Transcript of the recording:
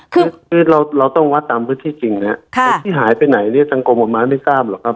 คือเราต้องวัดตามพื้นที่จริงนะครับที่หายไปไหนเนี่ยทางกรมประมาณไม่ทราบหรอกครับ